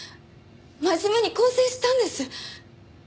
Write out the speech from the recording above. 真面目に更生したんです。